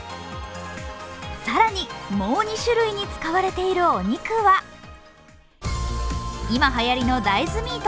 更に、もう２種類に使われているお肉は、今はやりの大豆ミート。